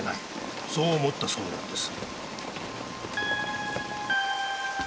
そう思ったそうなんです。